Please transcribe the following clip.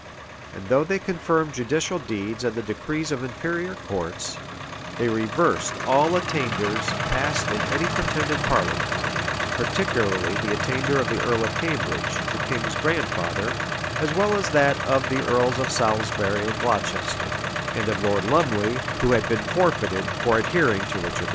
and though they confirmed judicial deeds and the decrees of inferior courts, they reversed all attainders passed in any pretended parliament; particularly the attainder of the earl of Cambridge, the king's grandfather; as well as that of the earls of Salisbury and Glocester, and of Lord Lumley, who had been forfeited for adhering to Richard II.